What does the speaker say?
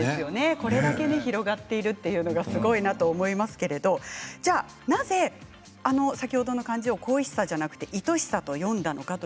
これぐらい広がっているのが、すごいなと思いますけれどもなぜ先ほどの漢字をこいしさではなくいとしさと読んだのか